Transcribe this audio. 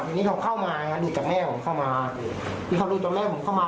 ทีนี้เขาเข้ามาดูจากแม่ผมเข้ามาคือเขาดูตอนแรกผมเข้ามา